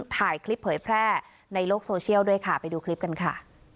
ถ่ายคลิปเผยแพร่ในโลกโซเชียลด้วยค่ะไปดูคลิปกันค่ะ